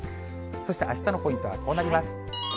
そしてあしたのポイントはこうなります。